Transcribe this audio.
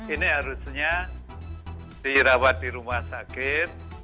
ini harusnya dirawat di rumah sakit